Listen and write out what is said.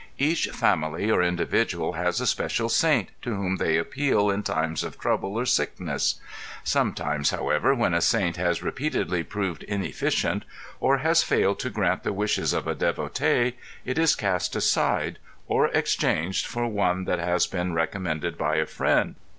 Each family or individual has a special saint to whom they appeal in times of trouble or sickness. Sometimes however when a saint has repeatedly proved inefficient or has failed to grant the wishes of a devotee, it is cast aside or exchanged for one that has been recommended by a friend.